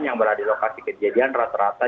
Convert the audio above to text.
yang berada di lokasi kejadian rata rata